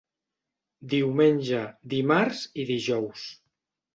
Diumenge, dimarts i dijous.